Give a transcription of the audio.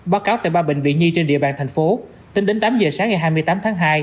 báo cáo tại ba bệnh viện nhi trên địa bàn thành phố tính đến tám giờ sáng ngày hai mươi tám tháng hai